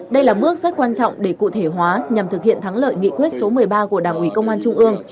đây là bước rất quan trọng để cụ thể hóa nhằm thực hiện thắng lợi nghị quyết số một mươi ba của đảng ủy công an trung ương